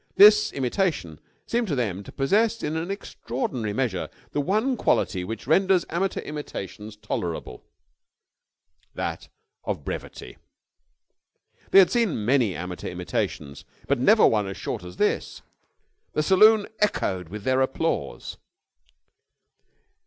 This imitation seemed to them to possess in an extraordinary measure the one quality which renders amateur imitations tolerable, that of brevity. They had seen many amateur imitations, but never one as short as this. The saloon echoed with their applause.